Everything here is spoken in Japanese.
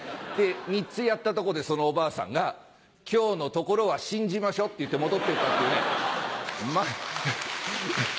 ３つやったとこでそのおばあさんが「今日のところは信じましょう」って戻ってったっていうね。